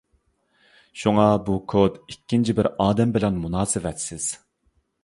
شۇڭا بۇ كود ئىككىنچى بىر ئادەم بىلەن مۇناسىۋەتسىز.